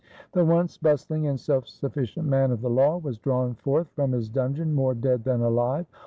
The once bustling and self sufficient man of the law was drawn forth from his dungeon more dead than alive.